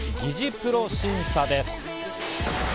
プロ審査です。